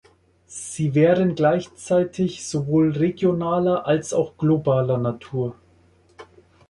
Sie wären gleichzeitig sowohl regionaler als auch globaler Natur.